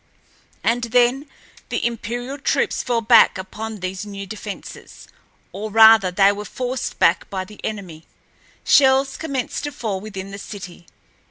And then the imperial troops fell back upon these new defenses, or, rather, they were forced back by the enemy. Shells commenced to fall within the city.